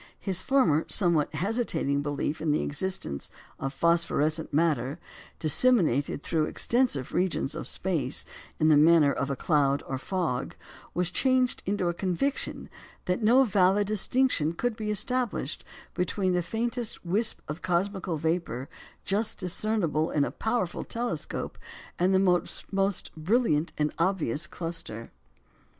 His former somewhat hesitating belief in the existence of phosphorescent matter, "disseminated through extensive regions of space in the manner of a cloud or fog," was changed into a conviction that no valid distinction could be established between the faintest wisp of cosmical vapour just discernible in a powerful telescope, and the most brilliant and obvious cluster.